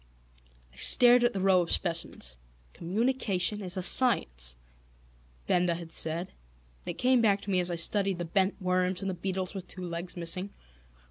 I stared at the rows of specimens. "Communication is a science!" Benda had said, and it came back to me as I studied the bent worms and the beetles with two legs missing.